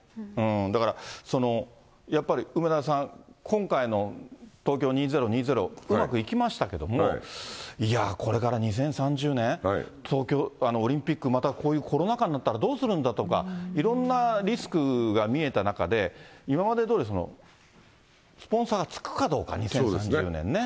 だから、そのやっぱり梅沢さん、今回のＴＯＫＹＯ２０２０、うまくいきましたけども、いやぁ、これから２０３０年冬季オリンピックまたこういうコロナ禍になったらどうするんだとか、いろんなリスクが見えた中で、今までどおり、スポンサーがつくかどうか、２０３０年ね。